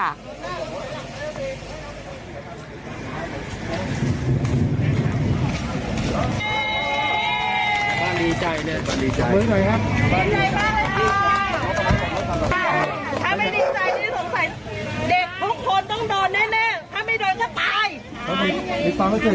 ถ้าไม่ดีใจเนี่ยสงสัยเด็กทุกคนต้องโดนแน่ถ้าไม่โดนก็ตาย